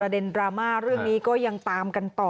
ดราม่าเรื่องนี้ก็ยังตามกันต่อ